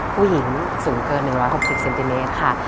ผู้หญิงสูงเกิน๑๖๐เซนติเมตรค่ะ